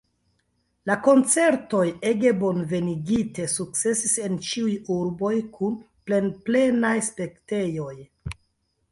La koncertoj, ege bonvenigite, sukcesis en ĉiuj urboj kun plenplenaj spektejoj.